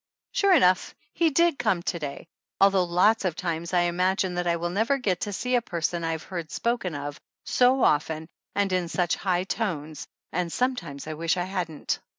Sure enough he did come to day, although lots of times I imagine that I never will get to see a person I ha ir e heard spoken of so often and in such high tones and sometimes I wish I hadn't.